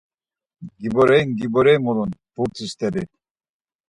Giboneri giboneri mulun, burti steri…